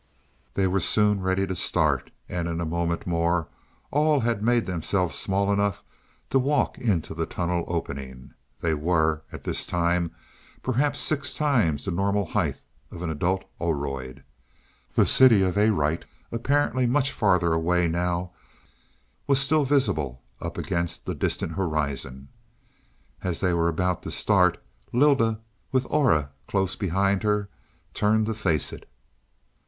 They were soon ready to start, and in a moment more all had made themselves small enough to walk into the tunnel opening. They were, at this time, perhaps six times the normal height of an adult Oroid. The city of Arite, apparently much farther away now, was still visible up against the distant horizon. As they were about to start, Lylda, with Aura close behind her, turned to face it.